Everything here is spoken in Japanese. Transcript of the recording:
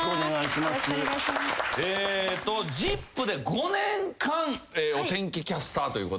『ＺＩＰ！』で５年間お天気キャスターということで。